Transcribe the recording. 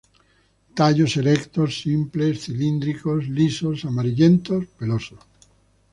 Tallos erectos, simples, cilíndricos, lisos, amarillentos, pelosos.